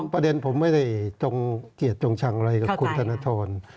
ประเด็นผมไม่ได้จงเกียรติจงชังอะไรกับคุณธนทร